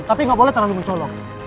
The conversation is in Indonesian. tapi nggak boleh terlalu mencolok